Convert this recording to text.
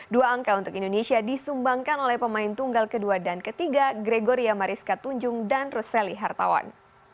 dua angka untuk indonesia disumbangkan oleh pemain tunggal ke dua dan ke tiga gregoria mariska tunjung dan roseli hartawan